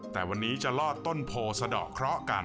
แต่วันนี้จะลอดต้นโพสะดอกเคราะห์กัน